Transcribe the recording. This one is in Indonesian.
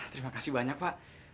terima kasih banyak pak